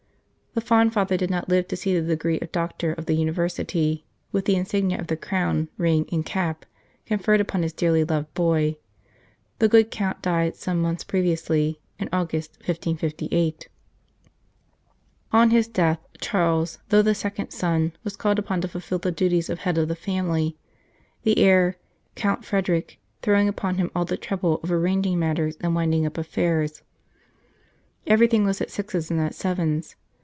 The fond father did not live to see the degree of Doctor of the University, with the insignia of the crown, ring, and cap, conferred upon his dearly loved boy. The good Count died some months previously, in August, 1558. On his death, Charles, though the second son, 8 The Key of Italy was called upon to fulfil the duties of head of the family, the heir, Count Frederick, throwing upon him all the trouble of arranging matters and winding up affairs. Everything was at sixes and at sevens.